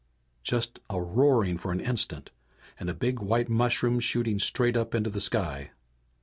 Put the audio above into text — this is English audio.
Just a roaring for an instant and a big white mushroom shooting straight up into the sky.